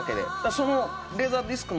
その。